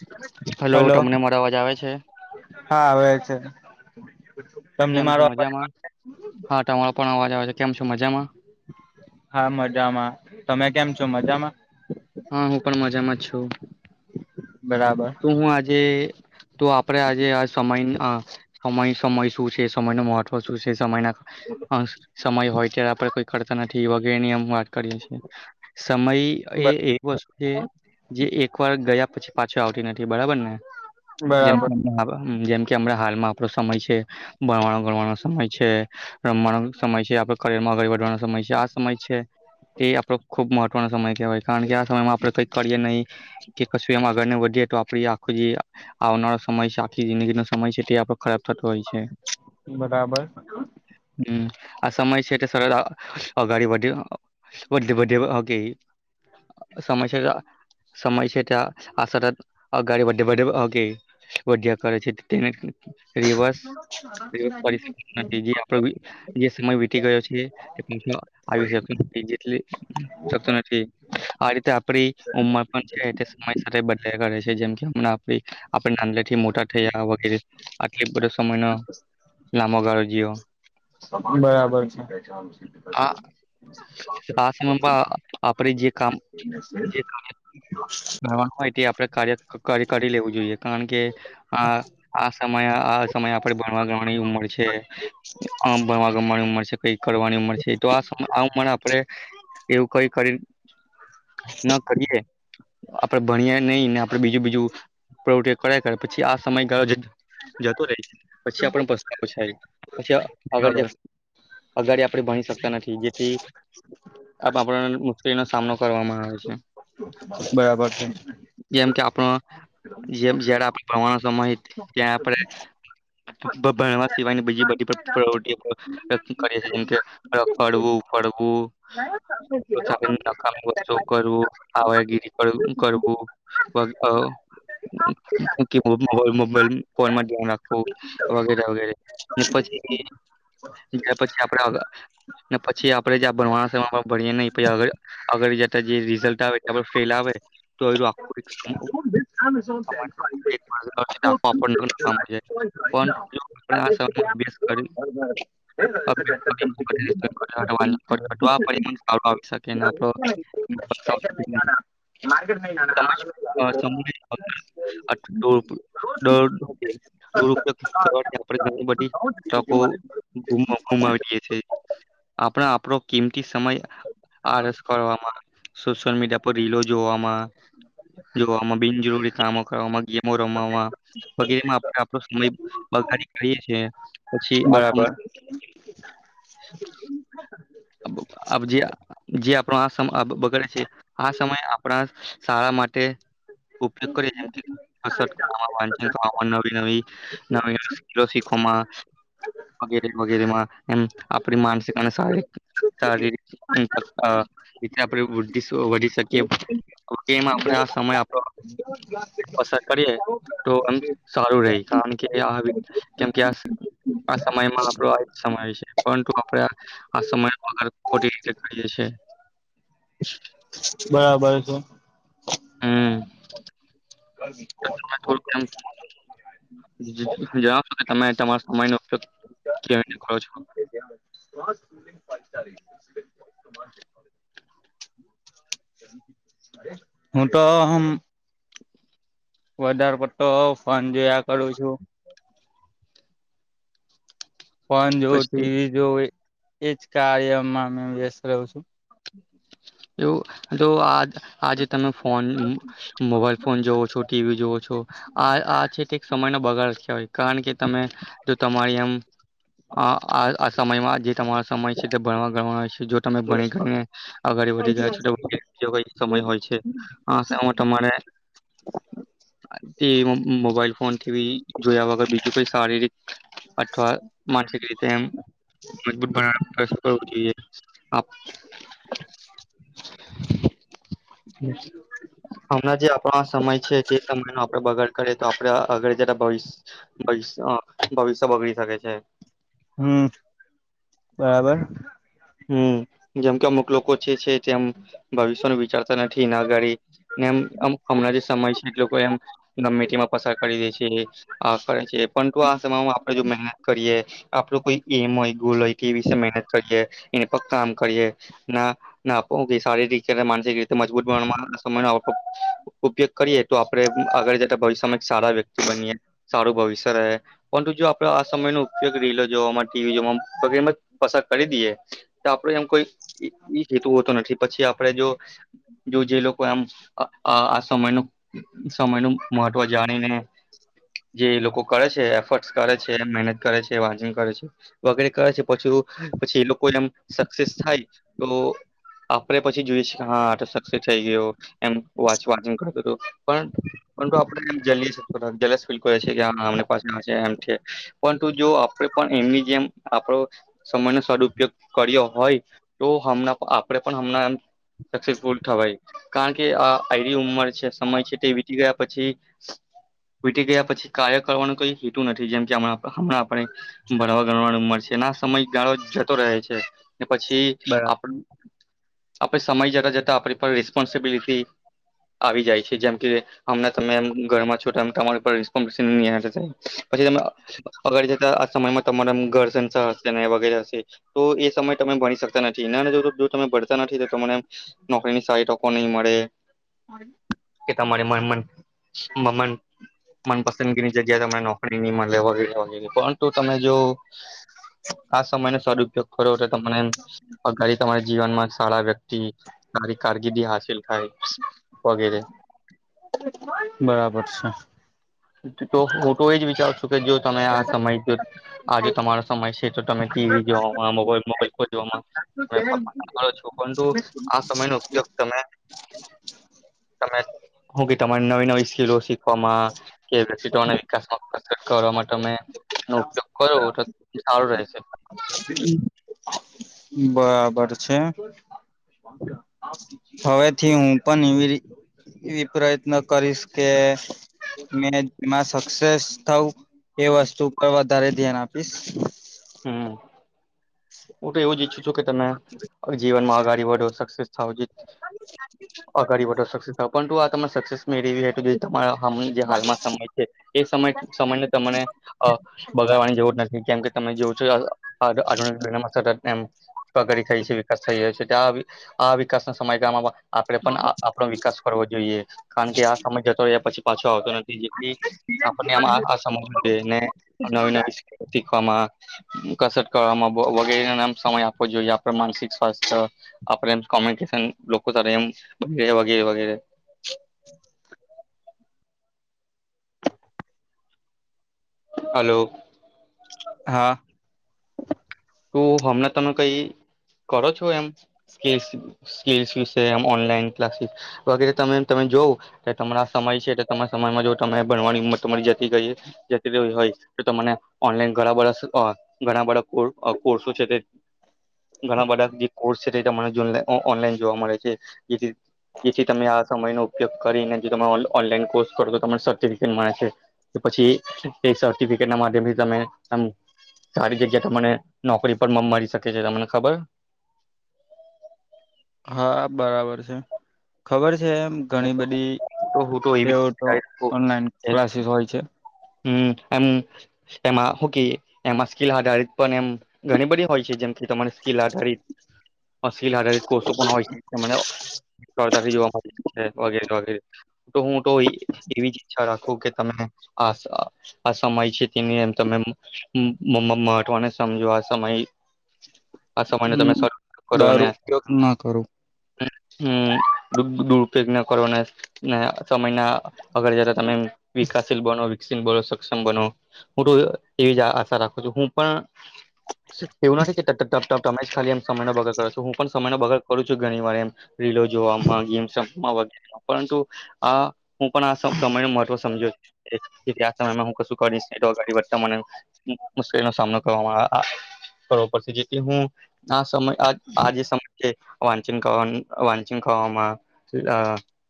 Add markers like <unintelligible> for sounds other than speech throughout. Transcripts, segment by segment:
<unintelligible> Hello. તમને મારો અવાજ આવે છે હા આવે છે. તમને કેમ છો મારો અવાજ મજામાં? હા તમારો પણ અવાજ આવે છે. કેમ છો મજામાં? હા મજામાં તમે કેમ છો મજામાં? હા હું પણ મજામાં છું. બરાબર તો હું આજે તો આપડે આજે આ સમય સમય સમય શું છે સમય ન મહત્વ શું છે સમયના સમય હોય ત્યારે આપડે કોઈ કરતા નથી વગેરે નિયમ વા સમય એ એક વતુ છે જે એક વાર ગયા પછી પા આવતી નથી બરાબર ને? જેમ બરાબર જેમ કેમ હાલમાં આપડો સમય છે ભણવા ગણવાનો સમય છે રમવાનો સમય છે આપ કરરમાં સમય બઢવાનો સમય છે. આ સમય છે તે આપડો ખુબ મહત્વનો સમય કેહેવાય કારણ કે આ સમયમાં આપડે કઈક કરીએ નહી કે કશું એમા આગળ ના વધીએ તો આપડી આખો જે આવનારો સમય છે આખી જિંદગીનો સમય છે તે ખરાબ થતો હોય છે. બરાબર હમ. આ સમય છે તે સર અગાળી <unintelligible> સમય છે સમય ત્યાં આ શરત આગળે <unintelligible> કરે છે તે રિવર્સ તે ફરીથી નથી. જે આપડે જે સમય વીતી ગયો છે તે પાછો જતો એટલે જતો નથી આ રીતે આપડી ઉમર પણ છે તે બન્ને કરે છે જેમ હમણા આપડે આપણે અંદરથી મોટા નાંદડા થી મોટા થયાના વગેરે એના લાંબાગાળે જે બરાબર છે. હા આ સમયમાં આપડ જે કામ જે કામ <unintelligible> કરવાનું હોય તે આપડે કાર્ય કરી લેવું જોઈએ કારણ કે આ આ સમય આ સમયે આપડે ભણવા ગણવાની ઉંમર છે આ ભણવા ઉંમર ઉંમર છે કઈ કરવાની ઉંમર છે આ ઉંમરે આપડે એવું કઈ કરી ન કરીએ આપડે ભણીએ નહી ને આપડે બીજું બીજું પ્રવૃતિ કરે પછી આ સમય ગયો જતો રહે પછી આપડે પસ્તાવો થાય પછી આગળ જ બરાબર અગાડી આપડ ભણી શક નથી જેથીને મુશ્કેલીનો સામનો કરવામાં આવે છે. છે જેમ કે આપડ જેમ જયારે ભણવાનો સમય ત્યાં આપડે લગભગ ભણવા સિવાયની બીજી બધી પ્રવુતિઓ આપડે કરીએ છીએ જેમકે રખડવું, ફરવું <unintelligible> શું કરવું. આવાગીરી કરવું બસ મો મોબાઈલ ફોન માં ધ્યાન રાખવું વગેરે અપડેટ ને પછી એ એના પછી આપડે પછી આપડે જ ભણવાના સમય ભણીએ નહી પછી આગળ આગળ જતા જ જે રિઝલ્ટ આવે ફેલ આવે તો એનું એક આખુ <unintelligible> <unintelligible> પણ જો આપ આ સમસ કરી. <unintelligible> <unintelligible> તમે જ, માર્કેટના <unintelligible> અ ટોપ દરમાંથી દુરપયોગ કરવાથી આપણે ઘણી બધી તકો ગુ ગુમાવીએે છ છેએ આપણા આપડો કિંમતી સમય આરસ કરવામાં સોશિયલ મીડિયા પર રીલો જોવામાં જોવામાં બિનજરૂરી કામો કરવામાં, ગેમો રમવામાં વગેરેમાં આપડે આપો સમય છીએ. પછી આ સમય બરાબર. <inaudible> અમુક આપ જેયા જે આપણો આ સમ બગડે છે આ સમયે આપણા શાળા માટે ઉપયોગ કરી <inaudible> નવી નવી નવી સિક્લોશીપ ખમા વગેરે વગેરે માં એમ આપડી માનસિક અને શાહિક સારિરીક અ રીત ના પયોગ વૃદ્ધિ વધી શકીએ તો કેમ આપડે આ સમય આપડો એસ ટેકનોલોજી કો તો એમ સારું રહી કારણ કે આ કેમ કે આ આ સમયમાં આપડો આ જ સમય છે પરંતુ આપણેે આ સમય બગાડ ખોટી રીતે કર્યે છે. બરાબર છે. હમમ ગરમી કોણ <unintelligible> જણાવશો કે તમે તમારા સમય નો ઉપયોગ કેવી રીતે કરો છો. <unintelligible> <inaudible> હું તો હમમ વધારે પડતો ફોન જોયા કરું છું. ફોન જોવુ, પછી ટીવી જોવુ એજ કાર્યમાં મેં વ્યસ્ત રહું છું. એવું જો આજ આજે તમે ફોન, મોબાઈલ ફોન જોવો છો, ટીવી જોવો છો આ આ છે તે સમય નો બગાડ જ કેહવાય કારણ કે તમે જો તમારી આમ અ આ આ સમયમાં જે તમારો સમય છે તે ભણવા ગણવા નો છે જો તમે ભણી ઘણી ને વધી જાય છે તો ગીયા સમય હોય છે આ સમય તમારે તે મોબાઈલ ફોન થી બી જોયા વગર બીજું કઈ સારી રીત અથવા માનસિક રીતે એમ મજબૂત બના કરસો તો એ આપ <inaudible> હમણાં જે આપડો આ સમય છે તે સમય નો આપડે બગાડ કરીએ તો આપડે આગળ જતા ભવિષ્ય ભવિષ્ય બગડી શકે છે. હમમ બરાબર. હમમ જેમ કે અમુક લોકો છે છે તેમ ભવિષ્ય નું વિચારતા નથી ને અગાડી ને એમમ હમણાં જે સમય છે એ લોકો એમ મેટીમાં પસાર કરી દે છે અ કરે છે. પરંતુ આ સમયમાં આપડે જો મહેનત કરીએ, આપડો કોઈ એમ હોય, ગોલ હોય કે એ વિશે મહેનત કરીએ. એ પર કામ કરીએે ને ને આપડો શારીરિક કે માનસિક રીતે મજબૂત બનવાનો સમય <inaudible> ઉપયોગ કરીએ તો આપડે આગળ જતા ભવિષ્યમાં એક સારા વ્યક્તિ બનીએ સારું ભવિષ્ય રહે. જો આપડે આ સમય નો ઉપયોગ રીલો જોવા માં ટીવી જોવા માં વગેરે મા પસાર કરી દઈએ તો આપડું એમ કોઈ એ એ જ હેતુ હોતો નથી પછી આપણે જો જો જે લોકો એમ આ સમયનો સમય નું મહત્વ જાણીને જે લોકો કરે છે એફર્ટસ કરે છે, મહેનત કરે છે તે વાચન કરે છે વગેરે કરે છે પછું પછી એ લોકો સક્સેસ થાય તો આપડે પછી જોઈએ છે કે હા આ તો પછી સક્સેસ થઈ ગયો. એમ વાચવાનું કરતું હતું પણ એમ જેલી જેલસ ફીલ કરે છે કે આમ ને પાસ આ છે પરંતુ જો આપડે પણ એ એની જેમ આપણો સમય નો સદપયોગ કર્યો હોય તો હમણાં આપડે પણ હમણાં સક્સેસફુલ થવાય, કારણ કે આ આની ઉંમર છે. સમય છે તે વીતી ગયા પછી વીટી ગયા પછી કાર્ય કરવાનો કઈ હેતુ નથી જેમ કે હમણાં ભરાવા ગણવાની ઉંમર છે ના સમય ગાળો જતો રહે છે. પછી, આપ આપડ સમય જતા જતા આપણી રિસ્પોન્સબિલિટી આવી જાય છે જેમ કે હમ તમે ઘરમાં છો તમા પછી તમે અગ જતા આ સમયમાં તમારા ઘ સંસ હશે વગેરે હશે. તો એ સમય તમે ભણી શકતા નથી જો જો તમે ભણતા નથી તો તમને, નોકરીની સારી તકો નહીં મળે. હ. હ <unintelligible> કે તમારે મન મન મન મનપસંદગીની જગ્યા તમને નોકરીની મળ લેવા પરંતુ તમે જો આ સમય સ્વરૂપયોગ ખરોબર તમને અઘારી તમારા જીવનમાં સારા વ્યક્તિ સારી કારકિર્દી હાસિલ થાય. વગેરે. બરાબર છે. તો હું તો એજ વિચાર છું કે જો તમે આ સમય જો, આજ તમારો સમય છે તો તમે ટીવી જો મોબાઈલ ફ તો છો, પરુતું આ સમય ન તમે તમે કે તમારી નવી નવી સ્કીિલો શીખવામાં. કે વિકાસમાં કરવા માટે અમે નો ઉપયોગ કરો તો સારું રહેશે. <inaudible> બરાબર છે. હવે થી હું પણ એવી ર એવી પ્રયત્ન કરીશ કે, મેં એમાં સક્સેસ થઉ. એ વસ્તુ પર વધારે ધ્યાન આપીશ. હમ. હું તો એવું જ ઈચ્છું છું કે તમે, જીવનમાંગાડી વો સક્સેસ થાવ જે અગાડી વધો સક્સેસ પણ તું આ તમાને સક્સેસ મેળ તમારા જે હાલમાં સમય છે, એ સમ સમયને તને વાની જરૂર નથી કેમ કે તમે જોવો છો. મ પ્રગડી થાય છે વિકાસ થઈ રહ્યો છે આ, વિકાસના સમયગાળમાં આપે પણ આપણો વિકાસ કરવો જોઈએ, કારણ કે આ સમય જતો હો પછી પાછો આવતો નથી, જેથી. આપને આ સમ છે ને નવી નવી શીખવામાં. કરવામાં વગેરે નામ સમય આપવો જોઈએ આપે માનસિક સ્વાસ્થ્ય, આપે એમ કોમ્યુનિકેશન લોકો ત એમ વગરે વગેરે વગેરે‌. <inaudible> હલો. હા. તું હમણા તમે કઈ કરો છો એમ, કે સ્કીસ વિશે એમ ઓનલાઈન ક્લાસીસ, વગેરે તમે તમે જોવ, તો તમારા સમય છે તમારા સમયમાં જો તમે ભણવાની તમારી જતી ગઈ, જતી ર હોય. તો તને ઓનલાઈન ઘણા બા ઘણા બધા કોર્સો છે તે ઘણા બધા જે કોર્સ છે તે તમા ઓનલાઈન જોવા મળે છે. જેથી તમે આ સમય ન ઉપયોગ કરીને તમે ઓનલાન કોર્સ કરો તો તમને સર્ટીફીકેટ મળે છે, પછી ટ ના માધ્યમથી તમે, સારી જગ્યા તને. નોકરી પર મળી શકે છે તમને ખબર. હા બરાબર છે, ખબર એમ ઘણી બધી તો હું તો એવી એવ તો ઓનલાઈન ક્લાસીસ હોય છે. હમ્મ એમ એમાંકી એમાં સ્કીલ આધારિત પણ એમ ઘણી બધી હોય છે. જેમથી તમારી સ્કીિલ આધારિત અશલ આધારિત કોષો પણ હોય છે, મ જોવા મળ વગેરે વગેરે તો હું તો એવી જ ઈચ્છા રાખું કે તમે, આ આ સમય છે તેની એમ તમે મમ્મ મહઠવાને સમજો આ સમય આ સમય ન તમે હમ શ કરો દર અને ઉપયોગ ન કરું હમ્મ દુરપયોગ ના કરવાના ને છ મહિના અગળ જતા તમે વિકાસ વ બ સક્ષમ બનો હું તો એવી જ આશા રાખું છું હું, પણ ઠવના ઠી છે તપ તમે ખાલી એમ સમય ન બગડ કરો છો હું પણ સમયના બગાડ કરું છું, ઘણી વાર એમ રીલો જોવામાં ગેમ પરુ આ હું પણ આ સમય ન મહત્વ સમજ્યો, આ સમયમાં હું કશું કરીશ ગાડી વધતા મને મુશ્કેલીનોો સામનો કરવામાં. કરવો પડશે જેથી હું આ સમય આ આજ સમય છે, વાંચન વાંચન ખાવામાં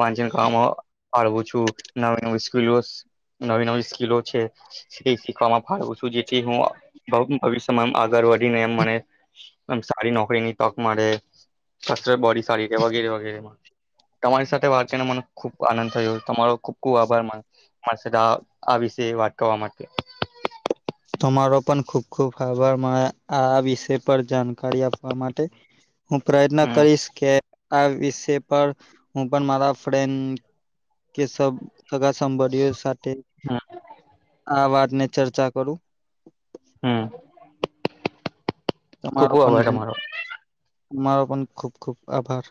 વાંચન કરવામાંડવું છું, નવી ન સ્કલો નવી નવી સ્કીિલો છે તે શીખવામાં ફું છું જેથી હું ભવિષ્ય આગર વધી ને એમ મને સારી નોકરી ની તક મળે, બોડી સારી છે વગેરે વગેરે તમારી સાથે વાત કરીને મને ખુબ આનંદ થયો તમારો ખુબ ખુબ આભાર મા મા આ વિશે વાત કરવા માટે. તમારો પણ ખુબ ખુબ આભાર આ વિષય પર જાણકારી આપવા માટે, હું પ્રયત્ન હમ કરીશ કે આ વિય પર હું પણ મારા ફ્રેન્ડ કે સબ સગા સંભળીઓ સાથે હમ આ વાતને ચર્ચા કરું, ખૂપું આભાર તમારો મારો પણ ખૂબ ખુબ આભાર.